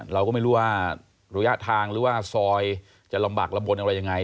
เราก็ไม่รู้ว่าระยะทางหรือว่าซอยจะลำบากลำบลอะไรยังไง